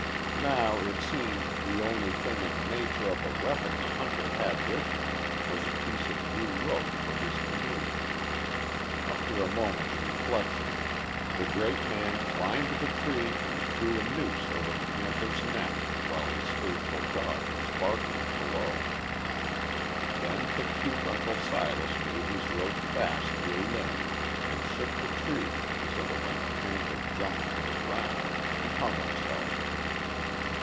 Now, it seemed, the only thing in the nature of a weapon the hunter had with him was a piece of new rope for his canoe. After a moment's reflection the great man climbed the tree and threw a noose over the panther's neck while his faithful dog was barking below. Then the cute Uncle Silas made his rope fast to a limb and shook the tree so that when the panther jumped for the ground he hung himself.